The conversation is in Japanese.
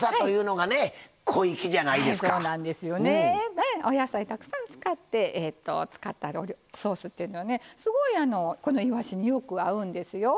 はいそうなんですよね。お野菜たくさん使ったソースっていうのはねすごいこのいわしによく合うんですよ。